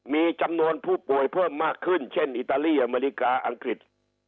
มีจำนวนผู้ป่วยเพิ่มมากขึ้นเช่นอิตาลีอเมริกาอังกฤษ